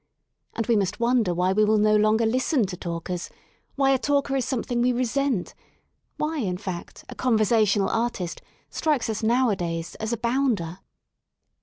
And we must wonder why we will no longer listen to talkers : why a talker is something we resent; why, in fact, a conversational artist strikes us nowadays as ^* a bounder."